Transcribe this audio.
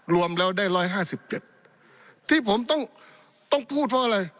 รวมแล้วได้๑๕๗ที่ผมต้องพูดเพราะอะไร